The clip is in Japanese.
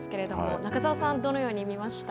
中澤さん、どのように見ました？